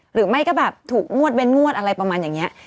หรือไม่ก็แบบถูกงวดเว้นงวดอะไรประมาณอย่างนี้